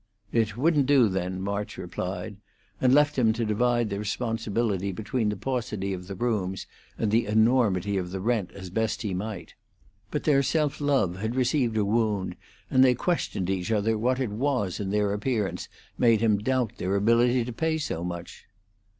"It wouldn't do, then," March replied, and left him to divide the responsibility between the paucity of the rooms and the enormity of the rent as he best might. But their self love had received a wound, and they questioned each other what it was in their appearance made him doubt their ability to pay so much.